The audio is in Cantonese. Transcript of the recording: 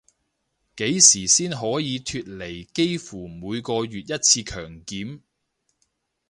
幾時先可以脫離幾乎每個月一次強檢